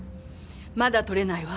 まだ取れないわ。